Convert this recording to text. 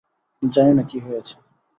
জানি না কী হয়েছে।